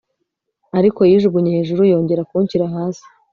ariko yijugunye hejuru yongera kunshyira hasi